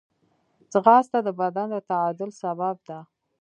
ځغاسته د بدن د تعادل سبب ده